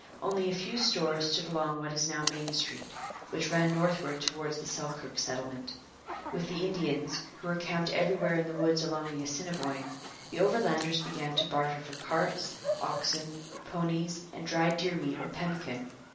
Only a few stores stood along what is now Main Street, which ran northward towards the Selkirk Settlement. With the Indians, who were camped everywhere in the woods along the Assiniboine, the Overlanders began to barter for carts, oxen, ponies, and dried deer meat or pemmican.